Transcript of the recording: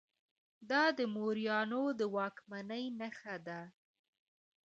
دا د موریانو د واکمنۍ نښه ده